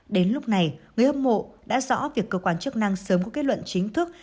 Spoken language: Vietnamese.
đến lúc này người hâm mộ đã rõ việc cơ quan chức năng sớm có kết luận chính thức